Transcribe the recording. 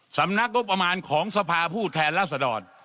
สำนักงบประมาณของสภาผู้แทนรัศดร